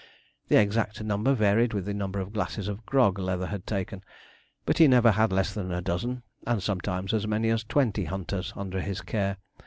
The exact number varied with the number of glasses of grog Leather had taken, but he never had less than a dozen, and sometimes as many as twenty hunters under his care.